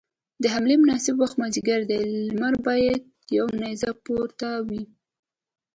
د حملې مناسب وخت مازديګر دی، لمر بايد يوه نيزه پورته وي.